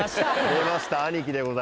出ました兄貴でございます。